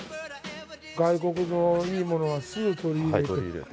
外国のいいものはすぐ取り入れて。